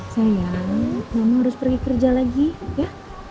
sayang mama harus pergi kerja lagi ya